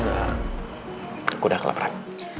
aku udah kelaparan